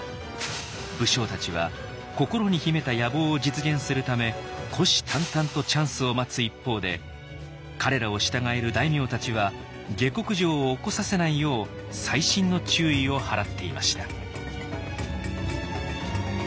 武将たちは心に秘めた野望を実現するため虎視眈々とチャンスを待つ一方で彼らを従える大名たちは下剋上を起こさせないよう細心の注意を払っていました。